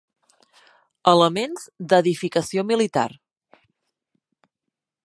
Elements d'edificació militar.